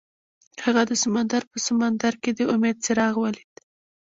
هغه د سمندر په سمندر کې د امید څراغ ولید.